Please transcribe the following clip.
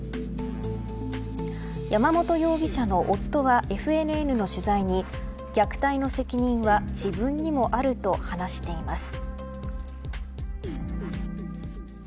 山本容疑者の夫はＦＮＮの取材に虐待の責任は自分にもあると話しています。